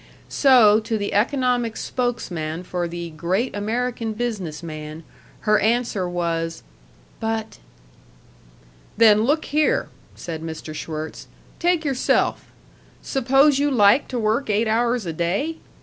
So to the economic spokesman for the Great American Business Man her answer was: "But " "Then look here," said Mr. Schwirtz. "Take yourself. S'pose you like to work eight hours a day?